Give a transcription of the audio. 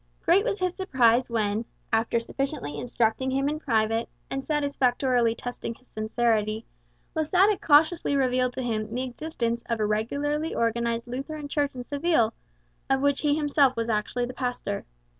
Great was his surprise when, after sufficiently instructing him in private, and satisfactorily testing his sincerity, Losada cautiously revealed to him the existence of a regularly organized Lutheran Church in Seville, of which he himself was actually the pastor.